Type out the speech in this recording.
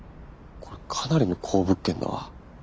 これかなりの好物件だわ。